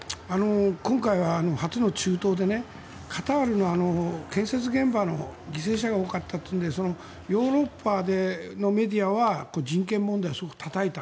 今回は初の中東でカタールの建設現場の犠牲者が多かったというのでヨーロッパのメディアは人権問題をたたいた。